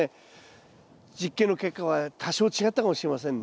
実験の結果は多少違ったかもしれませんね。